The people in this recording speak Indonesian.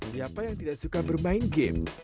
siapa yang tidak suka bermain game